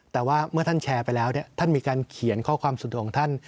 แต่ว่าเมื่อท่านแชร์ไปแล้วท่านมีการเขียนข้อความสุดดวงของท่าน